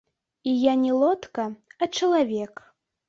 І я не лодка, а чалавек.